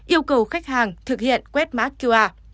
yêu cầu khách hàng thực hiện quét mát qr